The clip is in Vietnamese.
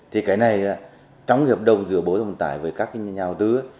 thì cái này trong cái hợp đồng giữa bộ giao thông vận tải với các nhà đầu tư ấy